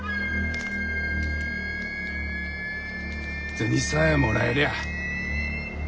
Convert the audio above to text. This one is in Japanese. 銭さえもらえりゃあ。